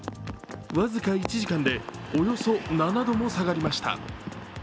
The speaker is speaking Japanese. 僅か１時間でおよそ７度も下がりました。